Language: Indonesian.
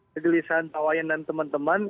kegelisahan pak wayan dan teman teman